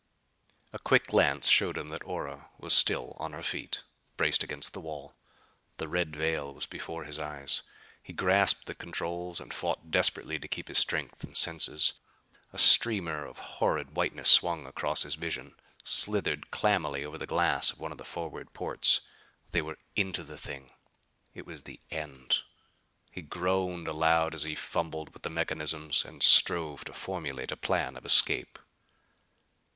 A quick glance showed him that Ora was still on her feet, braced against the wall. The red veil was before his eyes. He grasped the controls, and fought desperately to keep his strength and senses. A streamer of horrid whiteness swung across his vision; slithered clammily over the glass of one of the forward ports. They were into the thing! It was the end! He groaned aloud as he fumbled with the mechanisms and strove to formulate a plan of escape.